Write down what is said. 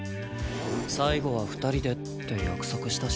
「最後は２人で」って約束したし。